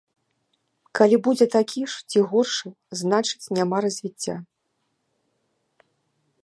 Калі будзе такі ж ці горшы, значыць, няма развіцця.